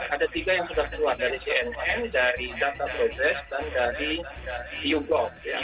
ada tiga yang sudah keluar dari cnn dari data progress dan dari yogur